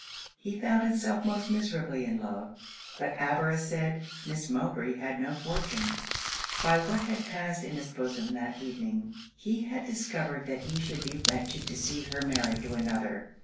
He found himself most miserably in love. But avarice said, Miss Mowbray had no fortune. By what had passed in his bosom that evening, he had discovered that he should be wretched to see her married to another.